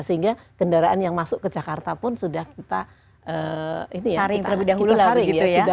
sehingga kendaraan yang masuk ke jakarta pun sudah kita sering ya